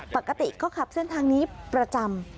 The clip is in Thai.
ปกติก็ขับเส้นทางนี้ประจำ